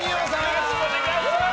よろしくお願いします。